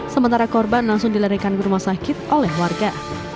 sementara korban langsung dilarikan ke rumah sakit oleh warga